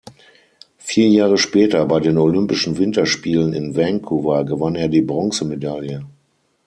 Vier Jahre später, bei den Olympischen Winterspielen in Vancouver, gewann er die Bronzemedaille.